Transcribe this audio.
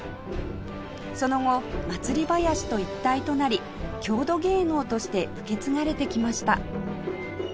その後祭り囃子と一体となり郷土芸能として受け継がれてきました